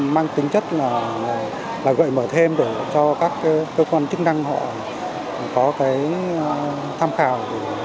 mang tính chất là gợi mở thêm để cho các cơ quan chức năng họ có cái tham khảo